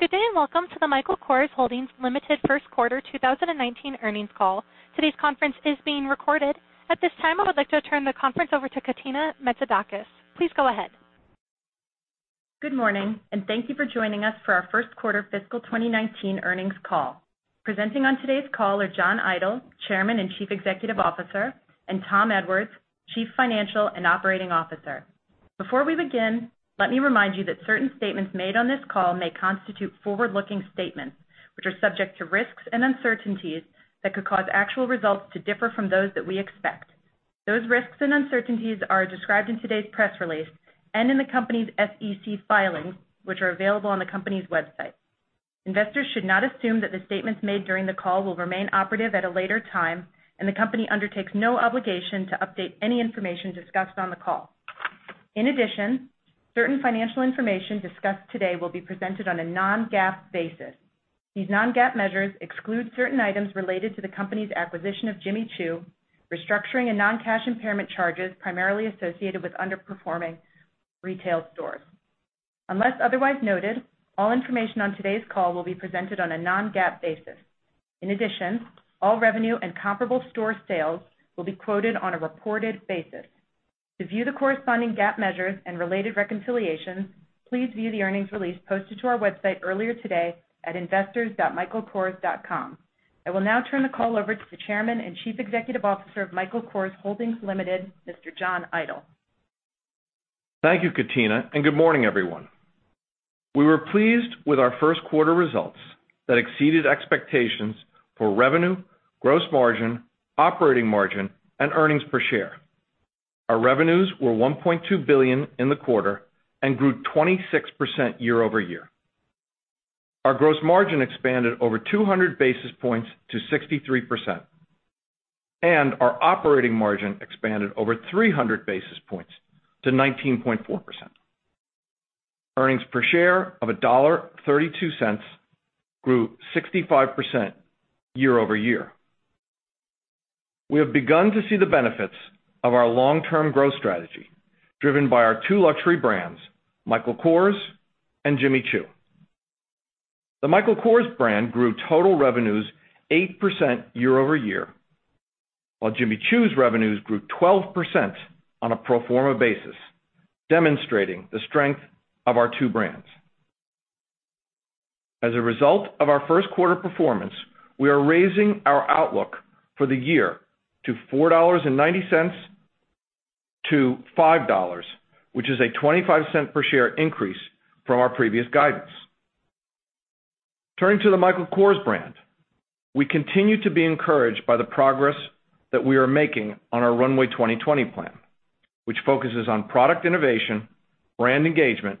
Good day, welcome to the Michael Kors Holdings Limited first quarter 2019 earnings call. Today's conference is being recorded. At this time, I would like to turn the conference over to Katina Metzidakis. Please go ahead. Good morning, thank you for joining us for our first quarter fiscal 2019 earnings call. Presenting on today's call are John Idol, Chairman and Chief Executive Officer, and Tom Edwards, Chief Financial and Operating Officer. Before we begin, let me remind you that certain statements made on this call may constitute forward-looking statements, which are subject to risks and uncertainties that could cause actual results to differ from those that we expect. Those risks and uncertainties are described in today's press release and in the company's SEC filings, which are available on the company's website. Investors should not assume that the statements made during the call will remain operative at a later time, and the company undertakes no obligation to update any information discussed on the call. In addition, certain financial information discussed today will be presented on a non-GAAP basis. These non-GAAP measures exclude certain items related to the company's acquisition of Jimmy Choo, restructuring and non-cash impairment charges primarily associated with underperforming retail stores. Unless otherwise noted, all information on today's call will be presented on a non-GAAP basis. In addition, all revenue and comparable store sales will be quoted on a reported basis. To view the corresponding GAAP measures and related reconciliations, please view the earnings release posted to our website earlier today at investors.michaelkors.com. I will now turn the call over to Chairman and Chief Executive Officer of Michael Kors Holdings Limited, Mr. John Idol. Thank you, Katina, good morning, everyone. We were pleased with our first quarter results that exceeded expectations for revenue, gross margin, operating margin, and earnings per share. Our revenues were $1.2 billion in the quarter and grew 26% year-over-year. Our gross margin expanded over 200 basis points to 63%, and our operating margin expanded over 300 basis points to 19.4%. Earnings per share of $1.32 grew 65% year-over-year. We have begun to see the benefits of our long-term growth strategy, driven by our two luxury brands, Michael Kors and Jimmy Choo. The Michael Kors brand grew total revenues 8% year-over-year, while Jimmy Choo's revenues grew 12% on a pro forma basis, demonstrating the strength of our two brands. As a result of our first quarter performance, we are raising our outlook for the year to $4.90-$5, which is a $0.25 per share increase from our previous guidance. Turning to the Michael Kors brand. We continue to be encouraged by the progress that we are making on our Runway 2020 plan, which focuses on product innovation, brand engagement,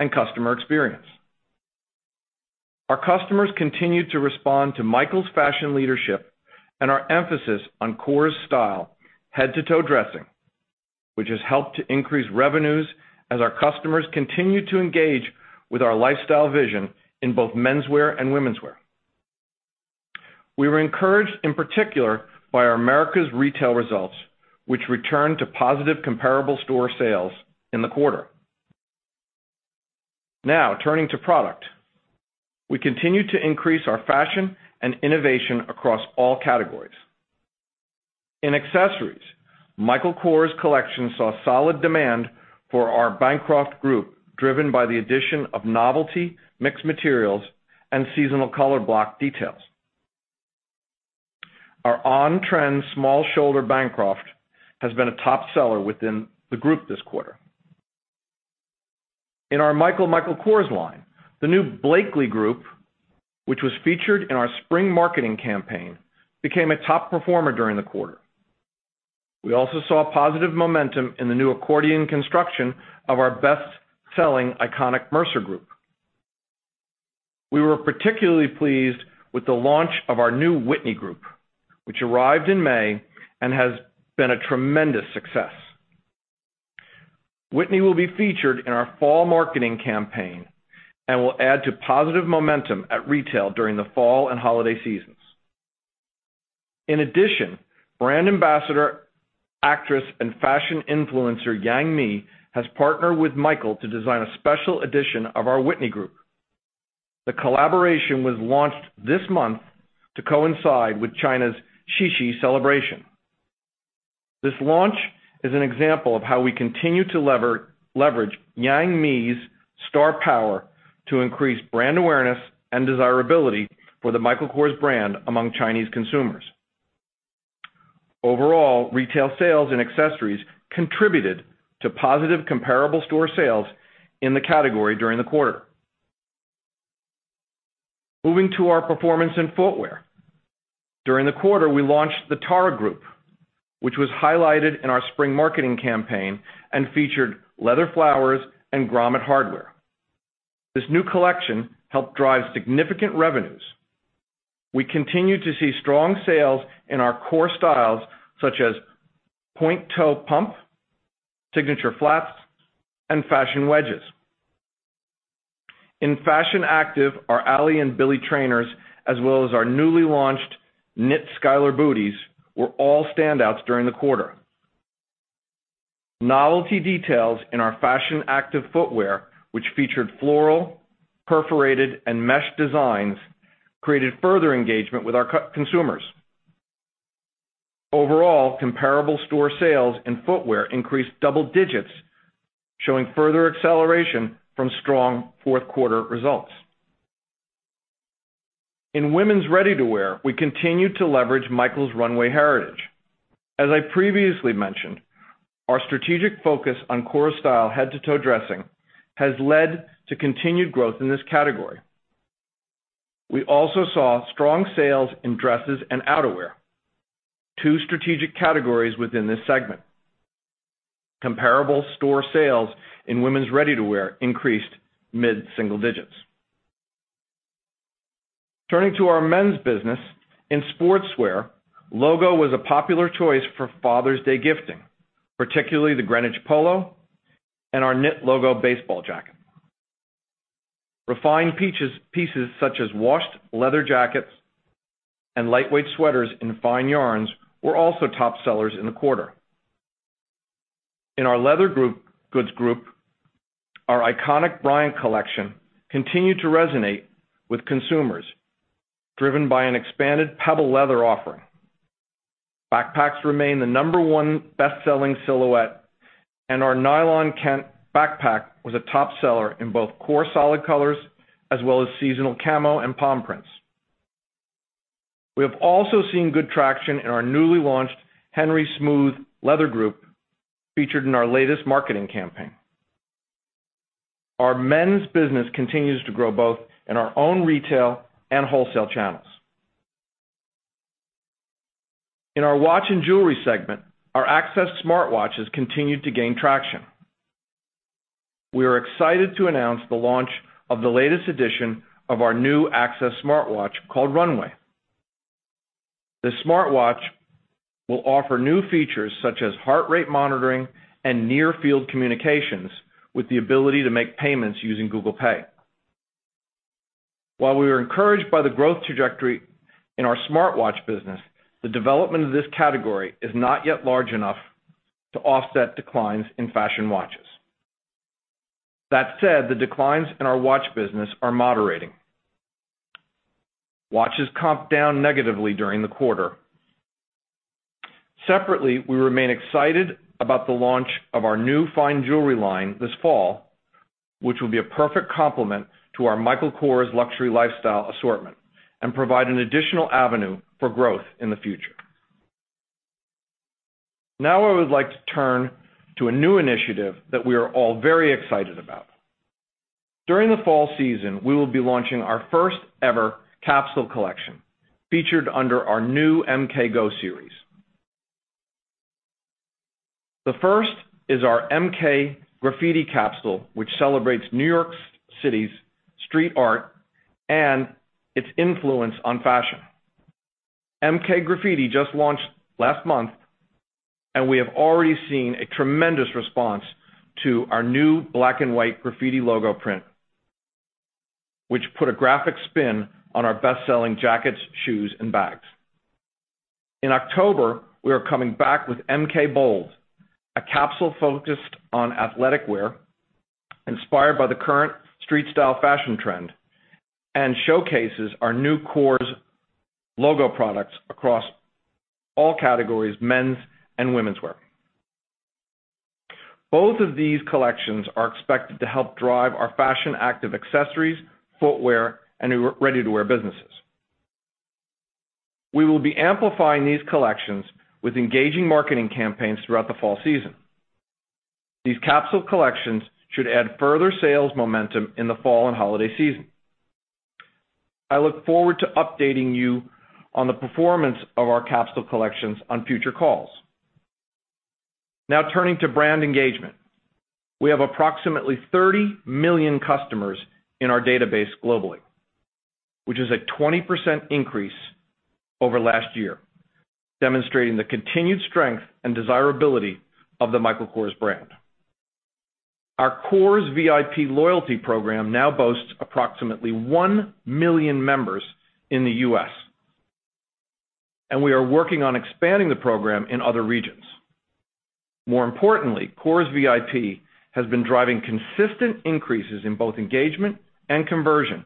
and customer experience. Our customers continue to respond to Michael's fashion leadership and our emphasis on Kors style head-to-toe dressing, which has helped to increase revenues as our customers continue to engage with our lifestyle vision in both menswear and womenswear. We were encouraged, in particular, by our Americas retail results, which returned to positive comparable store sales in the quarter. Turning to product. We continue to increase our fashion and innovation across all categories. In accessories, Michael Kors Collection saw solid demand for our Bancroft group, driven by the addition of novelty, mixed materials, and seasonal color block details. Our on-trend small shoulder Bancroft has been a top seller within the group this quarter. In our MICHAEL Michael Kors line, the new Blakely group, which was featured in our spring marketing campaign, became a top performer during the quarter. We also saw positive momentum in the new accordion construction of our best-selling iconic Mercer group. We were particularly pleased with the launch of our new Whitney group, which arrived in May and has been a tremendous success. Whitney will be featured in our fall marketing campaign and will add to positive momentum at retail during the fall and holiday seasons. In addition, brand ambassador, actress, and fashion influencer Yang Mi has partnered with Michael to design a special edition of our Whitney group. The collaboration was launched this month to coincide with China's Qixi celebration. This launch is an example of how we continue to leverage Yang Mi's star power to increase brand awareness and desirability for the Michael Kors brand among Chinese consumers. Overall, retail sales and accessories contributed to positive comparable store sales in the category during the quarter. Moving to our performance in footwear. During the quarter, we launched the Tara group, which was highlighted in our spring marketing campaign and featured leather flowers and grommet hardware. This new collection helped drive significant revenues. We continue to see strong sales in our core styles such as point-toe pump, signature flats, and fashion wedges. In fashion active, our Allie and Billie trainers, as well as our newly launched knit Skyler booties, were all standouts during the quarter. Novelty details in our fashion-active footwear, which featured floral, perforated, and mesh designs, created further engagement with our consumers. Overall, comparable store sales in footwear increased double-digits, showing further acceleration from strong fourth quarter results. In women's ready-to-wear, we continued to leverage Michael's runway heritage. As I previously mentioned, our strategic focus on Kors style head-to-toe dressing has led to continued growth in this category. We also saw strong sales in dresses and outerwear, two strategic categories within this segment. Comparable store sales in women's ready-to-wear increased mid-single-digits. Turning to our men's business. In sportswear, logo was a popular choice for Father's Day gifting, particularly the Greenwich Polo and our knit logo baseball jacket. Refined pieces such as washed leather jackets and lightweight sweaters in fine yarns were also top sellers in the quarter. In our leather goods group, our iconic Bryant collection continued to resonate with consumers, driven by an expanded pebble leather offering. Backpacks remain the number one best-selling silhouette, and our Nylon Kent backpack was a top seller in both core solid colors as well as seasonal camo and palm prints. We have also seen good traction in our newly launched Henry smooth leather group, featured in our latest marketing campaign. Our men's business continues to grow both in our own retail and wholesale channels. In our watch and jewelry segment, our Access smartwatches continued to gain traction. We are excited to announce the launch of the latest edition of our new Access smartwatch called Runway. This smartwatch will offer new features such as heart rate monitoring and near-field communications with the ability to make payments using Google Pay. While we are encouraged by the growth trajectory in our smartwatch business, the development of this category is not yet large enough to offset declines in fashion watches. That said, the declines in our watch business are moderating. Watches comped down negatively during the quarter. Separately, we remain excited about the launch of our new fine jewelry line this fall, which will be a perfect complement to our Michael Kors luxury lifestyle assortment and provide an additional avenue for growth in the future. I would like to turn to a new initiative that we are all very excited about. During the fall season, we will be launching our first-ever capsule collection, featured under our new MKGO series. The first is our MK Graffiti capsule, which celebrates New York City's street art and its influence on fashion. MK Graffiti just launched last month, we have already seen a tremendous response to our new black and white graffiti logo print, which put a graphic spin on our best-selling jackets, shoes, and bags. In October, we are coming back with MK Bold, a capsule focused on athletic wear inspired by the current street style fashion trend and showcases our new Kors logo products across all categories, men's and women's wear. Both of these collections are expected to help drive our fashion-active accessories, footwear, and ready-to-wear businesses. We will be amplifying these collections with engaging marketing campaigns throughout the fall season. These capsule collections should add further sales momentum in the fall and holiday season. I look forward to updating you on the performance of our capsule collections on future calls. Turning to brand engagement. We have approximately 30 million customers in our database globally, which is a 20% increase over last year, demonstrating the continued strength and desirability of the Michael Kors brand. Our Kors VIP loyalty program now boasts approximately 1 million members in the U.S., we are working on expanding the program in other regions. More importantly, Kors VIP has been driving consistent increases in both engagement and conversion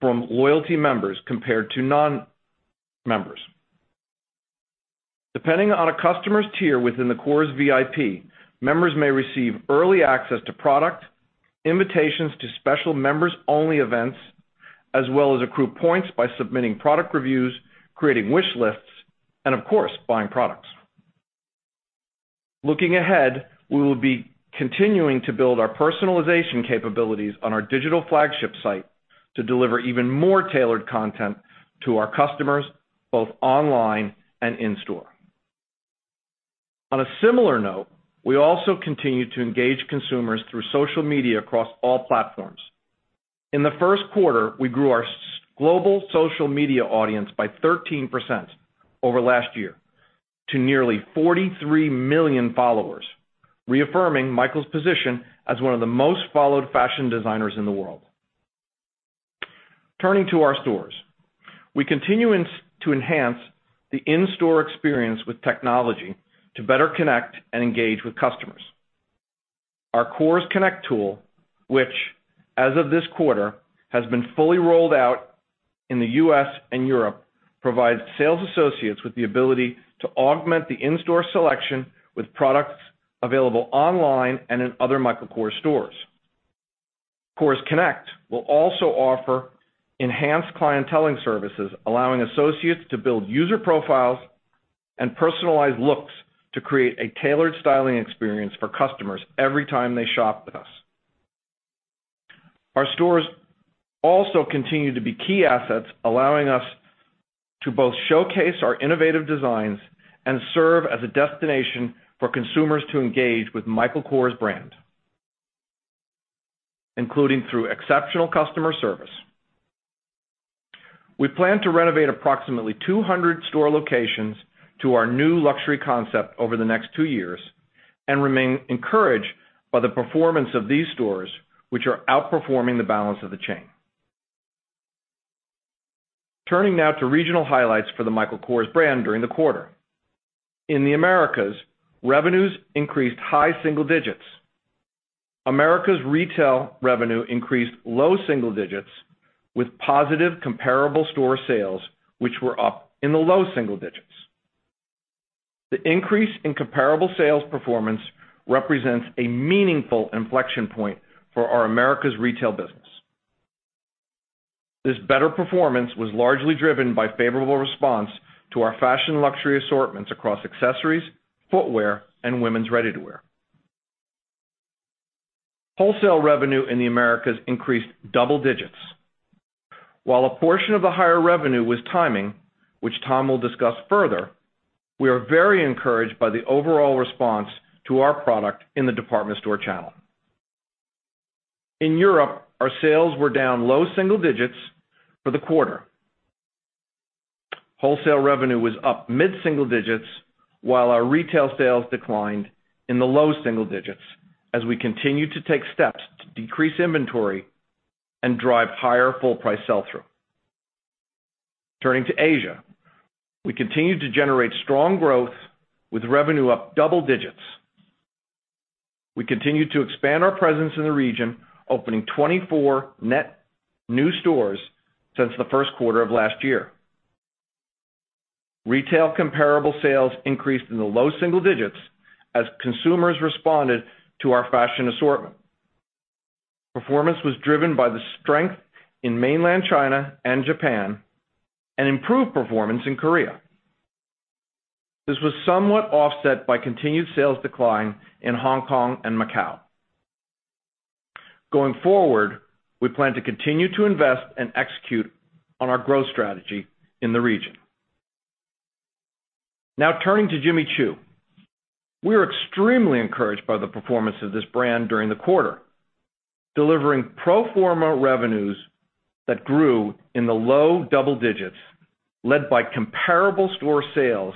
from loyalty members compared to non-members. Depending on a customer's tier within the Kors VIP, members may receive early access to product, invitations to special members-only events, as well as accrue points by submitting product reviews, creating wish lists, of course, buying products. Looking ahead, we will be continuing to build our personalization capabilities on our digital flagship site to deliver even more tailored content to our customers, both online and in-store. On a similar note, we also continue to engage consumers through social media across all platforms. In the first quarter, we grew our global social media audience by 13% over last year to nearly 43 million followers, reaffirming Michael's position as one of the most followed fashion designers in the world. Turning to our stores. We continue to enhance the in-store experience with technology to better connect and engage with customers. Our KorsConnect tool, which as of this quarter, has been fully rolled out in the U.S. and Europe, provides sales associates with the ability to augment the in-store selection with products available online and in other Michael Kors stores. KorsConnect will also offer enhanced clienteling services, allowing associates to build user profiles and personalized looks to create a tailored styling experience for customers every time they shop with us. Our stores also continue to be key assets, allowing us to both showcase our innovative designs and serve as a destination for consumers to engage with Michael Kors brand, including through exceptional customer service. We plan to renovate approximately 200 store locations to our new luxury concept over the next two years, and remain encouraged by the performance of these stores, which are outperforming the balance of the chain. Turning now to regional highlights for the Michael Kors brand during the quarter. In the Americas, revenues increased high single digits. Americas retail revenue increased low single digits with positive comparable store sales, which were up in the low single digits. The increase in comparable sales performance represents a meaningful inflection point for our Americas retail business. This better performance was largely driven by favorable response to our fashion luxury assortments across accessories, footwear, and women's ready-to-wear. Wholesale revenue in the Americas increased double digits. While a portion of the higher revenue was timing, which Tom will discuss further, we are very encouraged by the overall response to our product in the department store channel. In Europe, our sales were down low single digits for the quarter. Wholesale revenue was up mid-single digits while our retail sales declined in the low single digits, as we continue to take steps to decrease inventory and drive higher full price sell-through. Turning to Asia. We continued to generate strong growth with revenue up double digits. We continued to expand our presence in the region, opening 24 net new stores since the first quarter of last year. Retail comparable sales increased in the low single digits as consumers responded to our fashion assortment. Performance was driven by the strength in mainland China and Japan, and improved performance in Korea. This was somewhat offset by continued sales decline in Hong Kong and Macau. Going forward, we plan to continue to invest and execute on our growth strategy in the region. Now turning to Jimmy Choo. We are extremely encouraged by the performance of this brand during the quarter, delivering pro forma revenues that grew in the low double digits, led by comparable store sales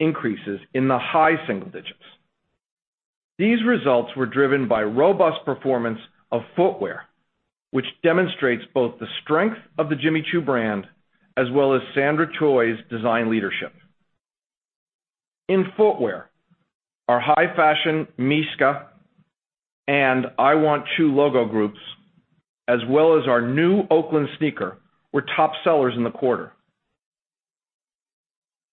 increases in the high single digits. These results were driven by robust performance of footwear, which demonstrates both the strength of the Jimmy Choo brand as well as Sandra Choi's design leadership. In footwear, our high-fashion Misca and I Want Choo logo groups, as well as our new Oakland sneaker, were top sellers in the quarter.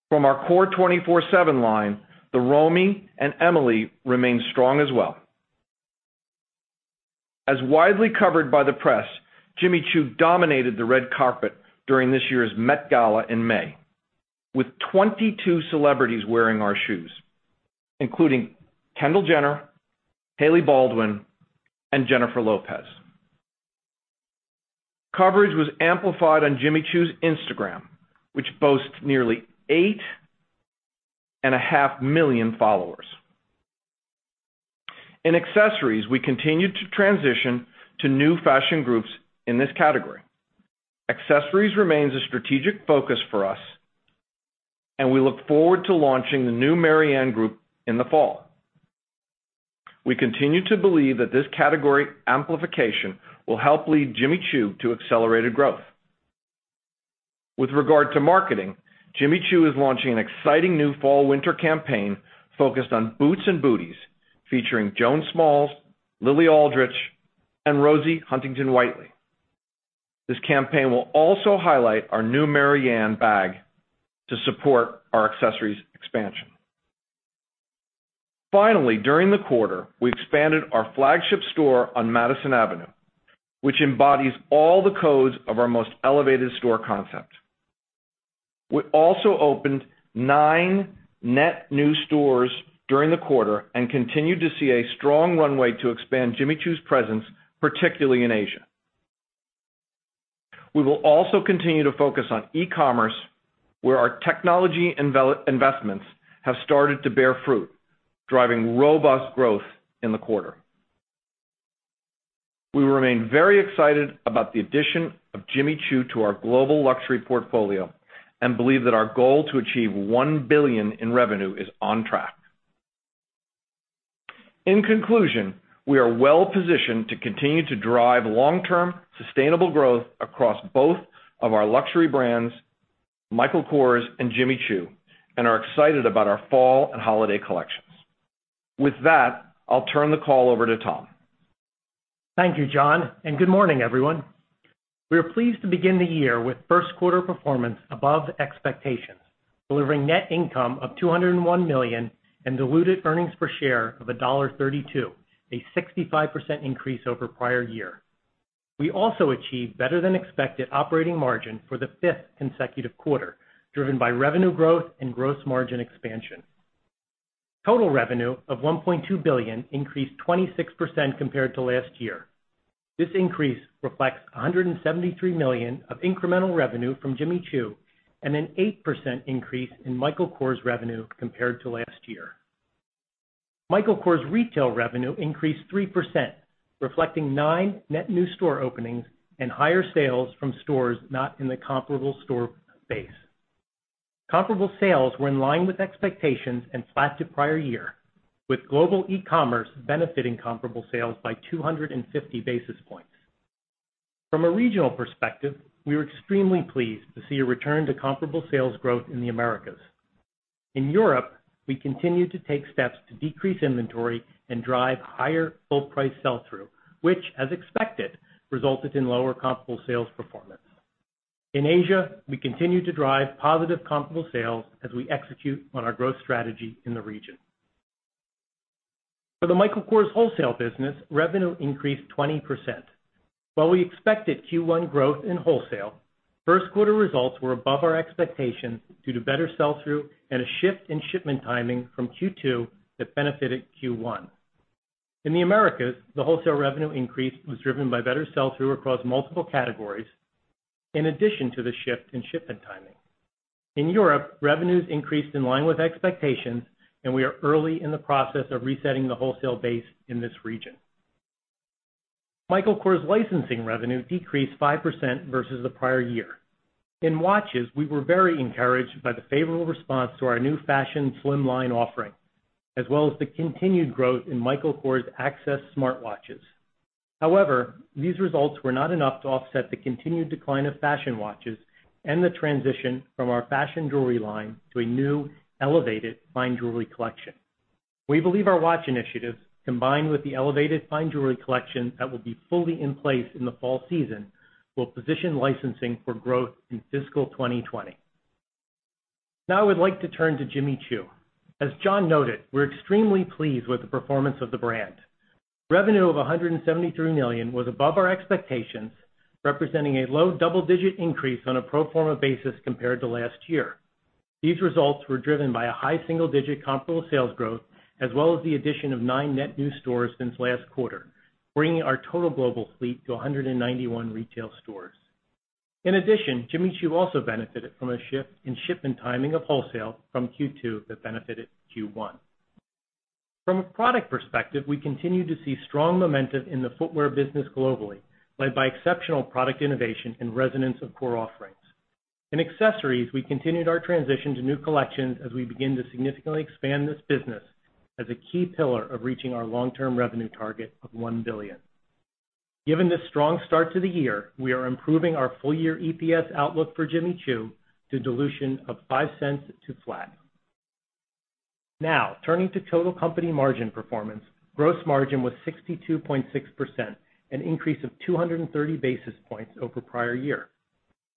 From our Core 24:7 line, the Romy and Emily remained strong as well. As widely covered by the press, Jimmy Choo dominated the red carpet during this year's Met Gala in May, with 22 celebrities wearing our shoes, including Kendall Jenner, Hailey Baldwin, and Jennifer Lopez. Coverage was amplified on Jimmy Choo's Instagram, which boasts nearly eight and a half million followers. In accessories, we continued to transition to new fashion groups in this category. Accessories remains a strategic focus for us, and we look forward to launching the new Marianne group in the fall. We continue to believe that this category amplification will help lead Jimmy Choo to accelerated growth. With regard to marketing, Jimmy Choo is launching an exciting new fall/winter campaign focused on boots and booties, featuring Joan Smalls, Lily Aldridge, and Rosie Huntington-Whiteley. This campaign will also highlight our new Marianne bag to support our accessories expansion. Finally, during the quarter, we expanded our flagship store on Madison Avenue, which embodies all the codes of our most elevated store concept. We also opened nine net new stores during the quarter and continued to see a strong runway to expand Jimmy Choo's presence, particularly in Asia. We will also continue to focus on e-commerce, where our technology investments have started to bear fruit, driving robust growth in the quarter. We remain very excited about the addition of Jimmy Choo to our global luxury portfolio and believe that our goal to achieve $1 billion in revenue is on track. In conclusion, we are well-positioned to continue to drive long-term sustainable growth across both of our luxury brands, Michael Kors and Jimmy Choo, and are excited about our fall and holiday collections. With that, I'll turn the call over to Tom. Thank you, John, good morning, everyone. We are pleased to begin the year with first quarter performance above expectations, delivering net income of $201 million and diluted earnings per share of $1.32, a 65% increase over prior year. We also achieved better than expected operating margin for the fifth consecutive quarter, driven by revenue growth and gross margin expansion. Total revenue of $1.2 billion increased 26% compared to last year. This increase reflects $173 million of incremental revenue from Jimmy Choo and an 8% increase in Michael Kors revenue compared to last year. Michael Kors retail revenue increased 3%, reflecting nine net new store openings and higher sales from stores not in the comparable store base. Comparable sales were in line with expectations and flat to prior year, with global e-commerce benefiting comparable sales by 250 basis points. From a regional perspective, we were extremely pleased to see a return to comparable sales growth in the Americas. In Europe, we continue to take steps to decrease inventory and drive higher full price sell-through, which, as expected, resulted in lower comparable sales performance. In Asia, we continue to drive positive comparable sales as we execute on our growth strategy in the region. For the Michael Kors wholesale business, revenue increased 20%. While we expected Q1 growth in wholesale, first quarter results were above our expectations due to better sell-through and a shift in shipment timing from Q2 that benefited Q1. In the Americas, the wholesale revenue increase was driven by better sell-through across multiple categories, in addition to the shift in shipment timing. In Europe, revenues increased in line with expectations, and we are early in the process of resetting the wholesale base in this region. Michael Kors licensing revenue decreased 5% versus the prior year. In watches, we were very encouraged by the favorable response to our new fashion slim line offering, as well as the continued growth in Michael Kors Access smartwatches. However, these results were not enough to offset the continued decline of fashion watches and the transition from our fashion jewelry line to a new elevated fine jewelry collection. We believe our watch initiatives, combined with the elevated fine jewelry collection that will be fully in place in the fall season, will position licensing for growth in fiscal 2020. Now I would like to turn to Jimmy Choo. As John noted, we're extremely pleased with the performance of the brand. Revenue of $173 million was above our expectations, representing a low double-digit increase on a pro forma basis compared to last year. These results were driven by a high single-digit comparable sales growth as well as the addition of nine net new stores since last quarter, bringing our total global fleet to 191 retail stores. In addition, Jimmy Choo also benefited from a shift in shipment timing of wholesale from Q2 that benefited Q1. From a product perspective, we continue to see strong momentum in the footwear business globally, led by exceptional product innovation and resonance of core offerings. In accessories, we continued our transition to new collections as we begin to significantly expand this business as a key pillar of reaching our long-term revenue target of $1 billion. Given this strong start to the year, we are improving our full year EPS outlook for Jimmy Choo to dilution of $0.05 to flat. Now, turning to total company margin performance. Gross margin was 62.6%, an increase of 230 basis points over prior year.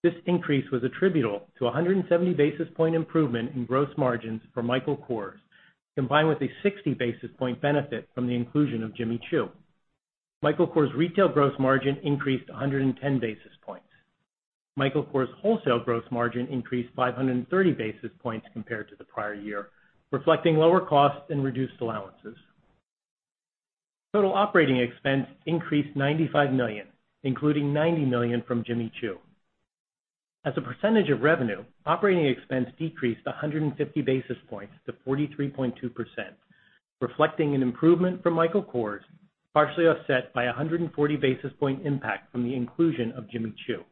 This increase was attributable to 170 basis point improvement in gross margins for Michael Kors, combined with a 60 basis point benefit from the inclusion of Jimmy Choo. Michael Kors' retail gross margin increased 110 basis points. Michael Kors' wholesale gross margin increased 530 basis points compared to the prior year, reflecting lower costs and reduced allowances. Total operating expense increased $95 million, including $90 million from Jimmy Choo. As a percentage of revenue, operating expense decreased 150 basis points to 43.2%, reflecting an improvement from Michael Kors, partially offset by 140 basis point impact from the inclusion of Jimmy Choo.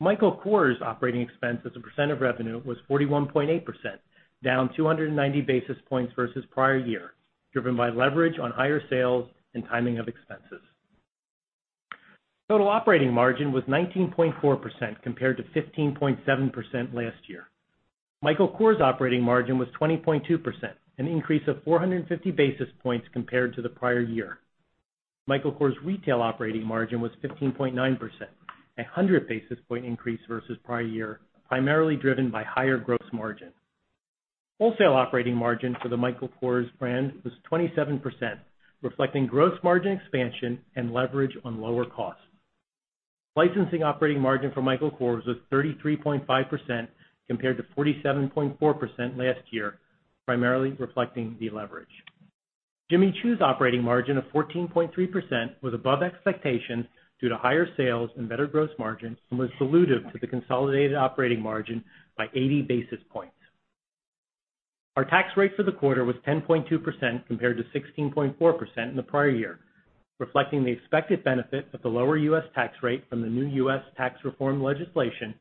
Michael Kors' operating expense as a percentage of revenue was 41.8%, down 290 basis points versus prior year, driven by leverage on higher sales and timing of expenses. Total operating margin was 19.4% compared to 15.7% last year. Michael Kors' operating margin was 20.2%, an increase of 450 basis points compared to the prior year. Michael Kors' retail operating margin was 15.9%, a 100 basis point increase versus prior year, primarily driven by higher gross margin. Wholesale operating margin for the Michael Kors brand was 27%, reflecting gross margin expansion and leverage on lower costs. Licensing operating margin for Michael Kors was 33.5% compared to 47.4% last year, primarily reflecting deleverage. Jimmy Choo's operating margin of 14.3% was above expectations due to higher sales and better gross margins and was dilutive to the consolidated operating margin by 80 basis points. Our tax rate for the quarter was 10.2% compared to 16.4% in the prior year. Reflecting the expected benefit of the lower U.S. tax rate from the new U.S. tax reform legislation,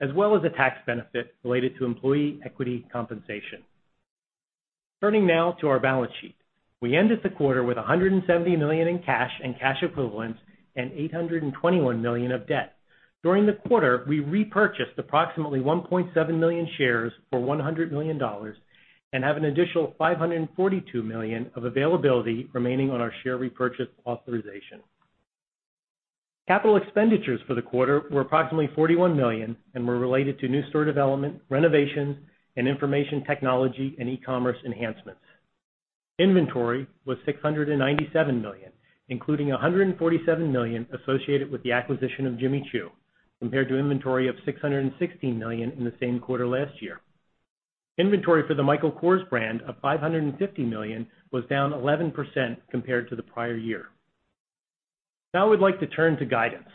as well as a tax benefit related to employee equity compensation. Turning now to our balance sheet. We ended the quarter with $170 million in cash and cash equivalents and $821 million of debt. During the quarter, we repurchased approximately 1.7 million shares for $100 million and have an additional 542 million of availability remaining on our share repurchase authorization. Capital expenditures for the quarter were approximately 41 million and were related to new store development, renovations, and information technology and e-commerce enhancements. Inventory was 697 million, including 147 million associated with the acquisition of Jimmy Choo, compared to inventory of 616 million in the same quarter last year. We'd like to turn to guidance.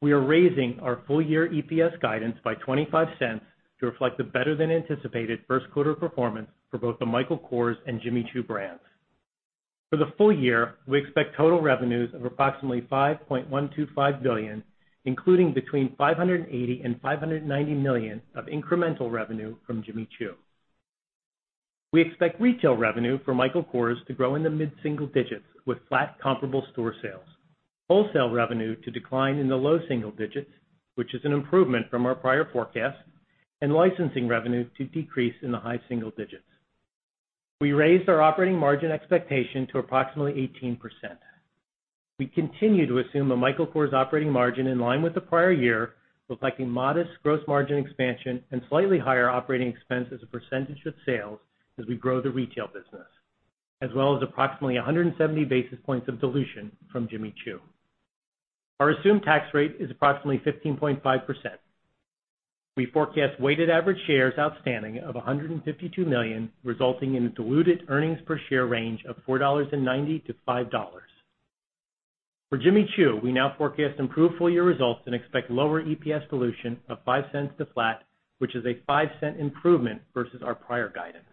We are raising our full-year EPS guidance by $0.25 to reflect the better-than-anticipated first quarter performance for both the Michael Kors and Jimmy Choo brands. For the full year, we expect total revenues of approximately $5.125 billion, including between $580 million and $590 million of incremental revenue from Jimmy Choo. We expect retail revenue for Michael Kors to grow in the mid-single digits with flat comparable store sales, wholesale revenue to decline in the low single digits, which is an improvement from our prior forecast, and licensing revenue to decrease in the high single digits. We raised our operating margin expectation to approximately 18%. We continue to assume a Michael Kors operating margin in line with the prior year, reflecting modest gross margin expansion and slightly higher operating expense as a percentage of sales as we grow the retail business, as well as approximately 170 basis points of dilution from Jimmy Choo. Our assumed tax rate is approximately 15.5%. We forecast weighted average shares outstanding of 152 million, resulting in a diluted earnings per share range of $4.90 to $5. For Jimmy Choo, we now forecast improved full-year results and expect lower EPS dilution of $0.05 to flat, which is a $0.05 improvement versus our prior guidance.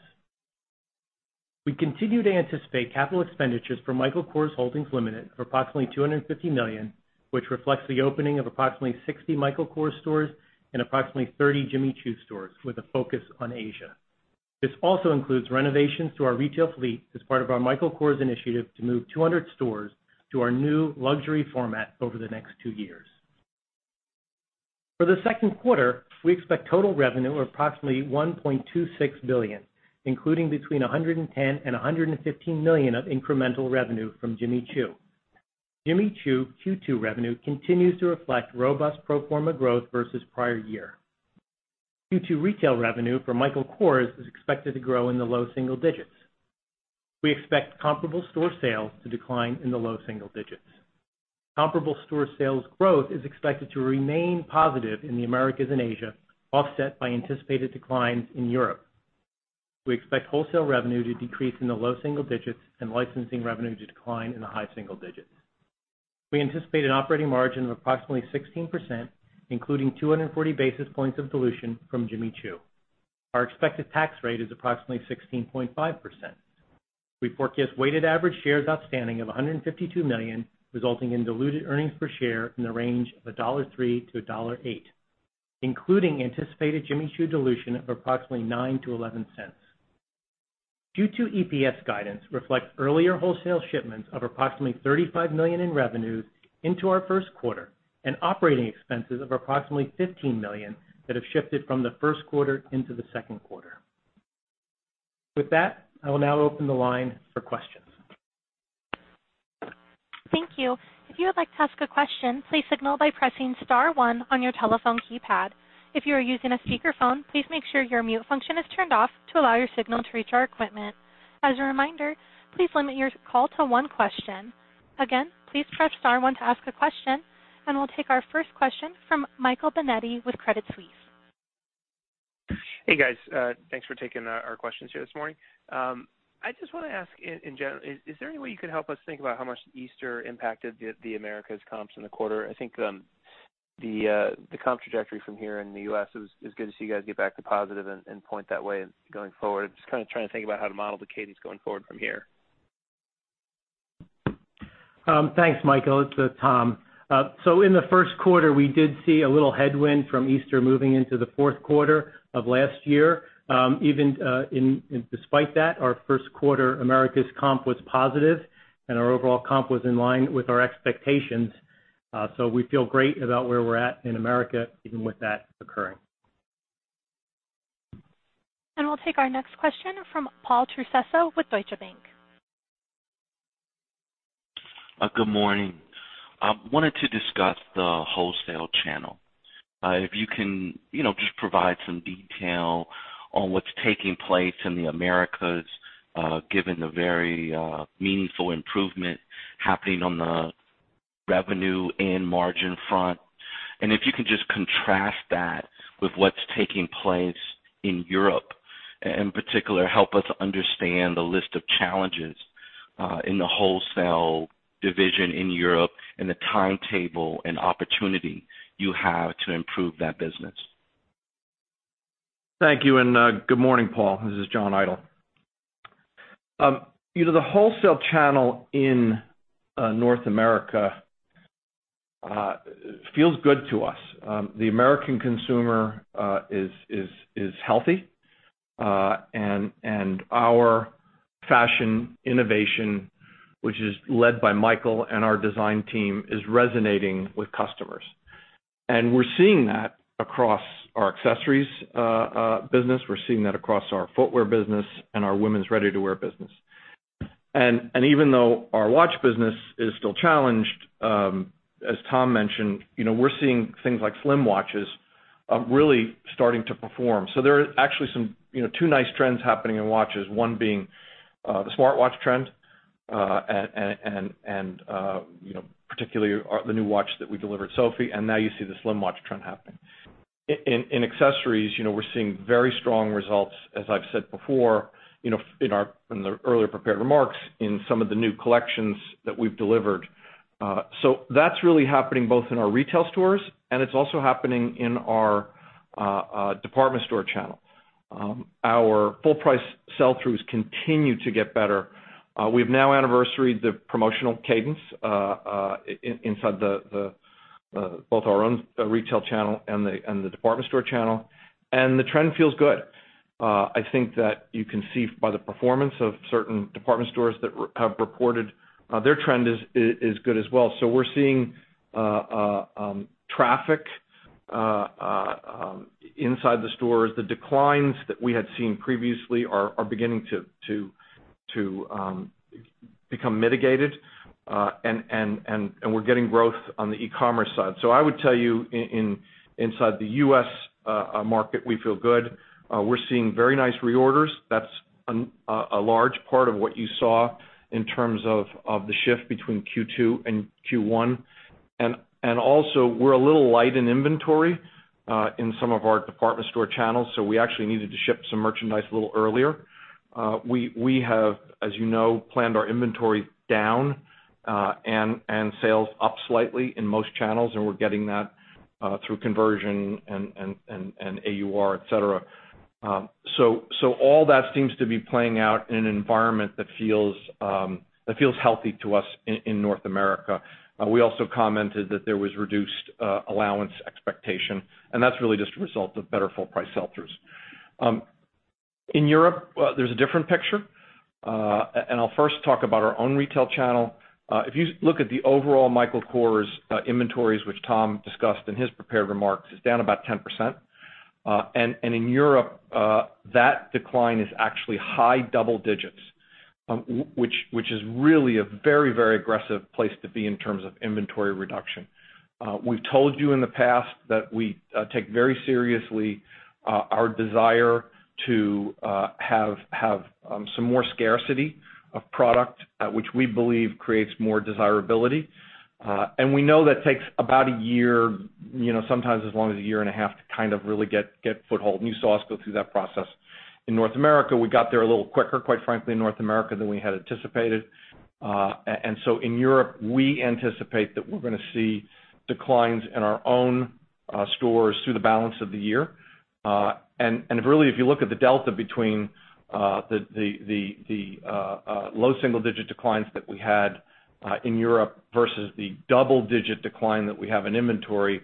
We continue to anticipate capital expenditures for Michael Kors Holdings Limited of approximately $250 million, which reflects the opening of approximately 60 Michael Kors stores and approximately 30 Jimmy Choo stores, with a focus on Asia. This also includes renovations to our retail fleet as part of our Michael Kors initiative to move 200 stores to our new luxury format over the next two years. For the second quarter, we expect total revenue of approximately $1.26 billion, including between $110 million and $115 million of incremental revenue from Jimmy Choo. Jimmy Choo Q2 revenue continues to reflect robust pro forma growth versus prior year. Q2 retail revenue for Michael Kors is expected to grow in the low single digits. We expect comparable store sales to decline in the low single digits. Comparable store sales growth is expected to remain positive in the Americas and Asia, offset by anticipated declines in Europe. We expect wholesale revenue to decrease in the low single digits and licensing revenue to decline in the high single digits. We anticipate an operating margin of approximately 16%, including 240 basis points of dilution from Jimmy Choo. Our expected tax rate is approximately 16.5%. We forecast weighted average shares outstanding of 152 million, resulting in diluted earnings per share in the range of $1.03-$1.08, including anticipated Jimmy Choo dilution of approximately $0.09-$0.11. Q2 EPS guidance reflects earlier wholesale shipments of approximately $35 million in revenues into our first quarter and operating expenses of approximately $15 million that have shifted from the first quarter into the second quarter. I will now open the line for questions. Thank you. If you would like to ask a question, please signal by pressing *1 on your telephone keypad. If you are using a speakerphone, please make sure your mute function is turned off to allow your signal to reach our equipment. As a reminder, please limit your call to one question. Again, please press *1 to ask a question, and we'll take our first question from Michael Binetti with Credit Suisse. Hey, guys. Thanks for taking our questions here this morning. I just want to ask in general, is there any way you could help us think about how much Easter impacted the Americas comps in the quarter? I think the comp trajectory from here in the U.S. is good to see you guys get back to positive and point that way going forward. Just kind of trying to think about how to model the cadence going forward from here. Thanks, Michael. It's Tom. In the first quarter, we did see a little headwind from Easter moving into the fourth quarter of last year. Despite that, our first quarter Americas comp was positive, and our overall comp was in line with our expectations. We feel great about where we're at in America, even with that occurring. We'll take our next question from Paul Trussell with Deutsche Bank. Good morning. I wanted to discuss the wholesale channel. If you can just provide some detail on what's taking place in the Americas, given the very meaningful improvement happening on the revenue and margin front. If you can just contrast that with what's taking place in Europe. In particular, help us understand the list of challenges in the wholesale division in Europe and the timetable and opportunity you have to improve that business. Thank you, and good morning, Paul. This is John Idol. The wholesale channel in North America feels good to us. The American consumer is healthy. Our fashion innovation, which is led by Michael and our design team, is resonating with customers. We're seeing that across our accessories business. We're seeing that across our footwear business and our women's ready-to-wear business. Even though our watch business is still challenged, as Tom mentioned, we're seeing things like slim watches really starting to perform. There are actually two nice trends happening in watches, one being the smartwatch trend, and particularly the new watch that we delivered, Sofie, and now you see the slim watch trend happening. In accessories, we're seeing very strong results, as I've said before in the earlier prepared remarks, in some of the new collections that we've delivered. That's really happening both in our retail stores, and it's also happening in our department store channel. Our full price sell-throughs continue to get better. We've now anniversaried the promotional cadence inside both our own retail channel and the department store channel, and the trend feels good. I think that you can see by the performance of certain department stores that have reported, their trend is good as well. We're seeing traffic inside the stores. The declines that we had seen previously are beginning to become mitigated, and we're getting growth on the e-commerce side. I would tell you inside the U.S. market, we feel good. We're seeing very nice reorders. That's a large part of what you saw in terms of the shift between Q2 and Q1. We're a little light in inventory in some of our department store channels, we actually needed to ship some merchandise a little earlier. We have, as you know, planned our inventory down, and sales up slightly in most channels, and we're getting that through conversion and AUR, et cetera. All that seems to be playing out in an environment that feels healthy to us in North America. We also commented that there was reduced allowance expectation, and that's really just a result of better full price sell-throughs. In Europe, there's a different picture. I'll first talk about our own retail channel. If you look at the overall Michael Kors inventories, which Tom discussed in his prepared remarks, it's down about 10%. In Europe, that decline is actually high double digits, which is really a very aggressive place to be in terms of inventory reduction. We've told you in the past that we take very seriously our desire to have some more scarcity of product, which we believe creates more desirability. We know that takes about a year, sometimes as long as a year and a half to really get foothold. You saw us go through that process in North America. We got there a little quicker, quite frankly, in North America, than we had anticipated. In Europe, we anticipate that we're going to see declines in our own stores through the balance of the year. Really, if you look at the delta between the low single-digit declines that we had in Europe versus the double-digit decline that we have in inventory,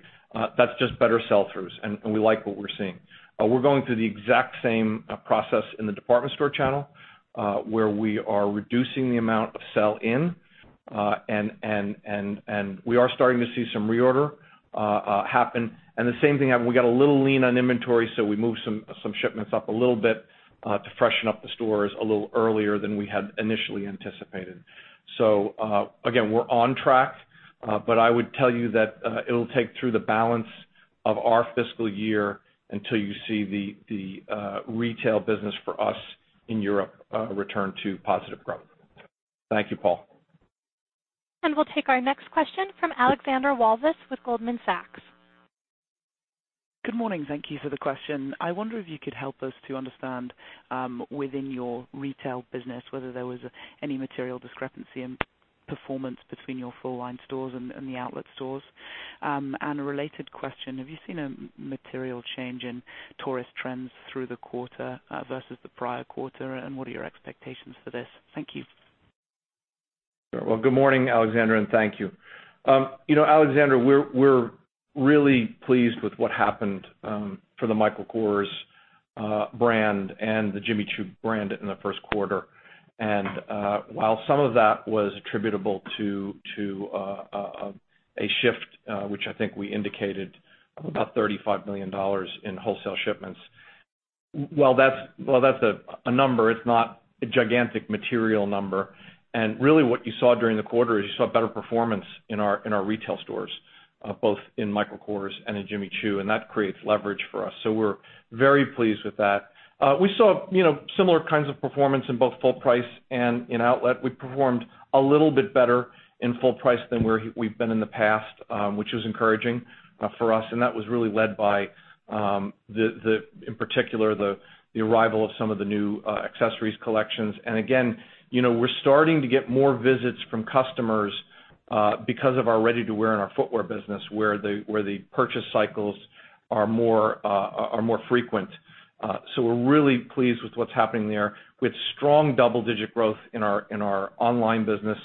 that's just better sell-throughs, and we like what we're seeing. We're going through the exact same process in the department store channel, where we are reducing the amount of sell in, and we are starting to see some reorder happen. The same thing happened. We got a little lean on inventory, we moved some shipments up a little bit, to freshen up the stores a little earlier than we had initially anticipated. Again, we're on track. I would tell you that it'll take through the balance of our fiscal year until you see the retail business for us in Europe return to positive growth. Thank you, Paul. We'll take our next question from Alexandra Walvis with Goldman Sachs. Good morning. Thank you for the question. I wonder if you could help us to understand, within your retail business, whether there was any material discrepancy in performance between your full-line stores and the outlet stores. A related question, have you seen a material change in tourist trends through the quarter versus the prior quarter, and what are your expectations for this? Thank you. Sure. Well, good morning, Alexandra, and thank you. Alexandra, we're really pleased with what happened for the Michael Kors brand and the Jimmy Choo brand in the first quarter. While some of that was attributable to a shift, which I think we indicated of about $35 million in wholesale shipments. While that's a number, it's not a gigantic material number. Really what you saw during the quarter is you saw better performance in our retail stores, both in Michael Kors and in Jimmy Choo, and that creates leverage for us. We're very pleased with that. We saw similar kinds of performance in both full price and in outlet. We performed a little bit better in full price than we've been in the past, which was encouraging for us, and that was really led by in particular, the arrival of some of the new accessories collections. Again, we're starting to get more visits from customers because of our ready-to-wear and our footwear business, where the purchase cycles are more frequent. We're really pleased with what's happening there, with strong double-digit growth in our online business,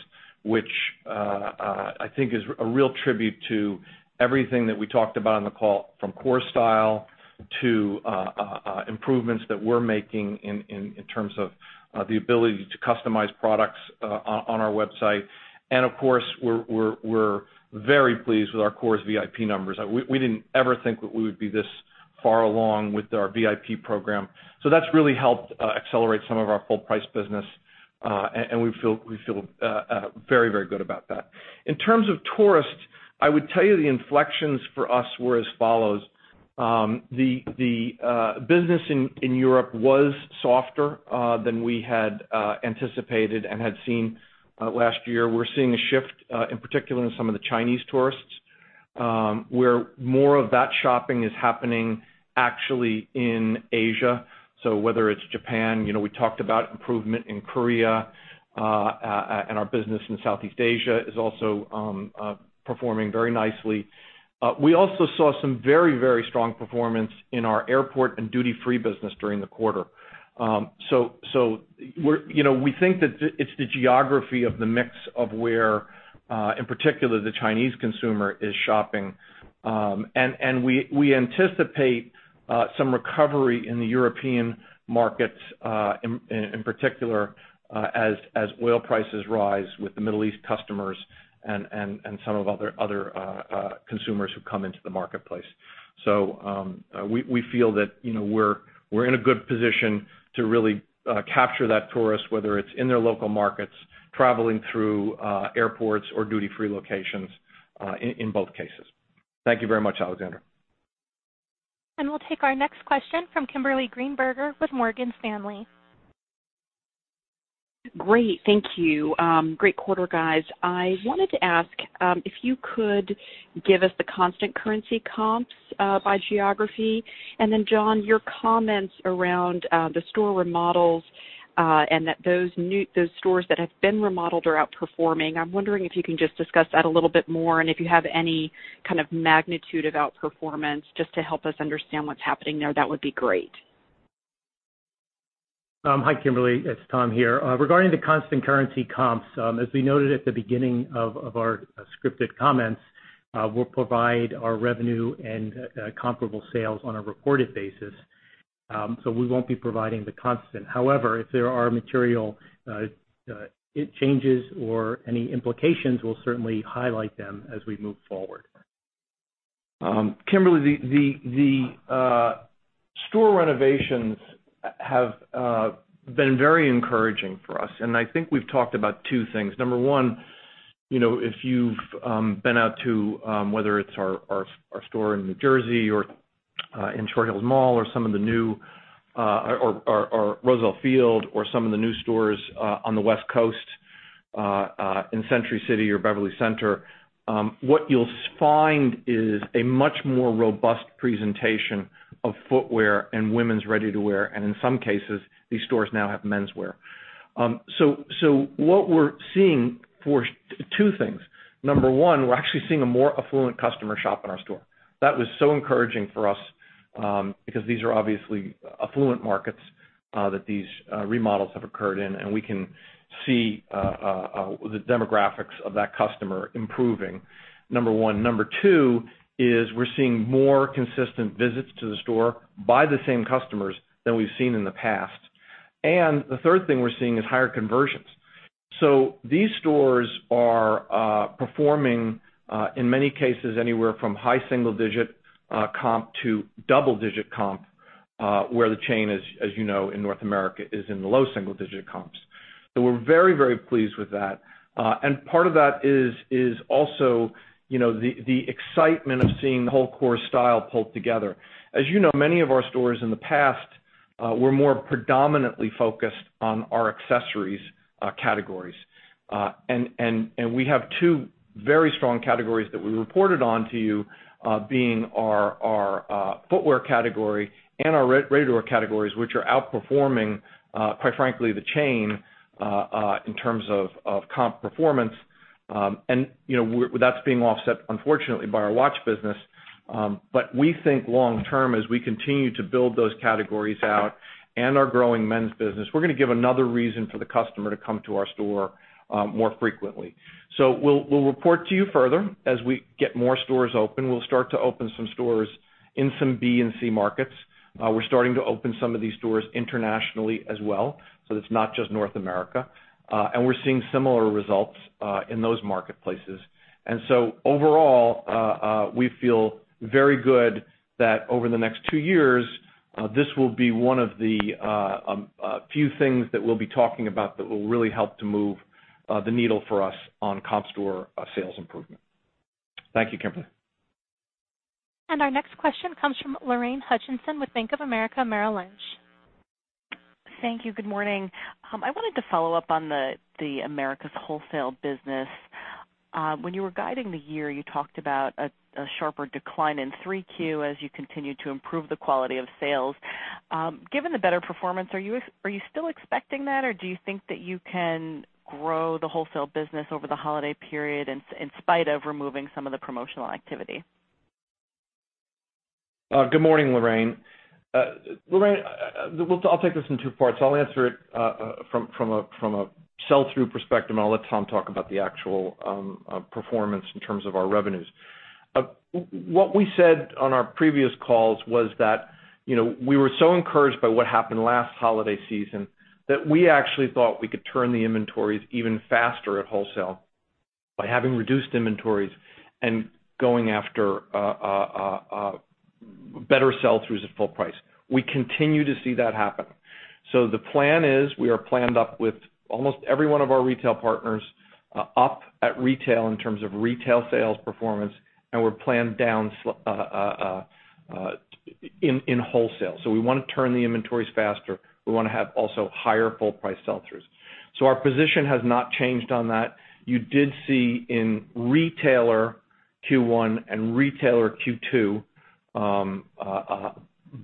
which I think is a real tribute to everything that we talked about on the call, from Kors Style to improvements that we're making in terms of the ability to customize products on our website. Of course, we're very pleased with our Kors VIP numbers. We didn't ever think that we would be this far along with our VIP program. That's really helped accelerate some of our full price business, and we feel very good about that. In terms of tourists, I would tell you the inflections for us were as follows. The business in Europe was softer than we had anticipated and had seen last year. We're seeing a shift, in particular in some of the Chinese tourists, where more of that shopping is happening actually in Asia. Whether it's Japan, we talked about improvement in Korea, and our business in Southeast Asia is also performing very nicely. We also saw some very strong performance in our airport and duty-free business during the quarter. We think that it's the geography of the mix of where, in particular, the Chinese consumer is shopping. We anticipate some recovery in the European markets, in particular as oil prices rise with the Middle East customers and some of other consumers who come into the marketplace. We feel that we're in a good position to really capture that tourist, whether it's in their local markets, traveling through airports or duty-free locations, in both cases. Thank you very much, Alexandra. We'll take our next question from Kimberly Greenberger with Morgan Stanley. Great. Thank you. Great quarter, guys. I wanted to ask if you could give us the constant currency comps by geography. Then, John, your comments around the store remodels, and that those stores that have been remodeled are outperforming. I'm wondering if you can just discuss that a little bit more and if you have any kind of magnitude of outperformance, just to help us understand what's happening there. That would be great. Hi, Kimberly. It's Tom here. Regarding the constant currency comps, as we noted at the beginning of our scripted comments, we'll provide our revenue and comparable sales on a reported basis. We won't be providing the constant. However, if there are material changes or any implications, we'll certainly highlight them as we move forward. Kimberly, the store renovations have been very encouraging for us, and I think we've talked about two things. Number one, if you've been out to, whether it's our store in New Jersey or in Short Hills Mall or Roosevelt Field or some of the new stores on the West Coast in Century City or Beverly Center, what you'll find is a much more robust presentation of footwear and women's ready-to-wear. In some cases, these stores now have menswear. What we're seeing for two things. Number one, we're actually seeing a more affluent customer shop in our store. That was so encouraging for us, because these are obviously affluent markets that these remodels have occurred in, and we can see the demographics of that customer improving, number one. Number two is we're seeing more consistent visits to the store by the same customers than we've seen in the past. The third thing we're seeing is higher conversions. These stores are performing, in many cases, anywhere from high single-digit comp to double-digit comp, where the chain, as you know, in North America, is in the low single-digit comps. We're very pleased with that. Part of that is also the excitement of seeing the whole core style pulled together. As you know, many of our stores in the past were more predominantly focused on our accessories categories. We have two very strong categories that we reported on to you, being our footwear category and our ready-to-wear categories, which are outperforming, quite frankly, the chain in terms of comp performance. That's being offset, unfortunately, by our watch business. We think long term, as we continue to build those categories out and our growing men's business, we're going to give another reason for the customer to come to our store more frequently. We'll report to you further as we get more stores open. We'll start to open some stores in some B and C markets. We're starting to open some of these stores internationally as well. It's not just North America. We're seeing similar results in those marketplaces. Overall, we feel very good that over the next two years, this will be one of the few things that we'll be talking about that will really help to move the needle for us on comp store sales improvement. Thank you, Kimberly. Our next question comes from Lorraine Hutchinson with Bank of America Merrill Lynch. Thank you. Good morning. I wanted to follow up on the Americas wholesale business. When you were guiding the year, you talked about a sharper decline in Q3 as you continued to improve the quality of sales. Given the better performance, are you still expecting that or do you think that you can grow the wholesale business over the holiday period in spite of removing some of the promotional activity? Good morning, Lorraine. Lorraine, I'll take this in two parts. I'll answer it from a sell-through perspective, and I'll let Tom talk about the actual performance in terms of our revenues. What we said on our previous calls was that we were so encouraged by what happened last holiday season that we actually thought we could turn the inventories even faster at wholesale by having reduced inventories and going after better sell-throughs at full price. We continue to see that happen. The plan is we are planned up with almost every one of our retail partners up at retail in terms of retail sales performance, and we're planned down in wholesale. We want to turn the inventories faster. We want to have also higher full price sell-throughs. Our position has not changed on that. You did see in retailer Q1 and retailer Q2, a